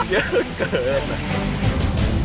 เยอะเกิน